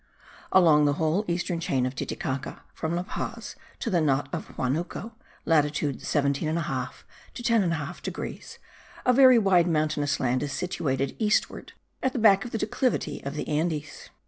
Along the whole eastern chain of Titicaca, from La Paz to the knot of Huanuco (latitude 17 1/2 to 10 1/2 degrees) a very wide mountainous land is situated eastward, at the back of the declivity of the Andes.